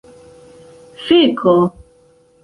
feko